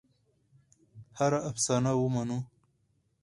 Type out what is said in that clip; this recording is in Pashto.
هره افسانه ومنو.